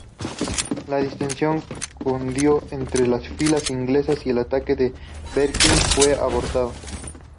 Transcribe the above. La disensión cundió entre las filas inglesas y el ataque a Berwick fue abortado.